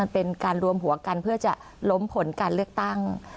เป็นการรวมหัวกันเพื่อจะล้มผลการเลือกตั้ง